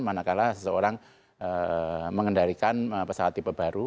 manakala seseorang mengendalikan pesawat tipe baru